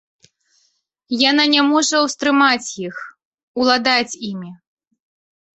Яна не можа ўстрымаць іх, уладаць імі.